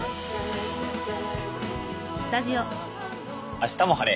「あしたも晴れ！